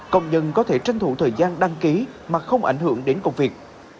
công nhân có thể tranh thủ thời gian đăng ký mà không ảnh hưởng đến công việc